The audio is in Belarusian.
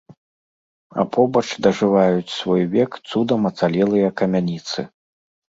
А побач дажываюць свой век цудам ацалелыя камяніцы.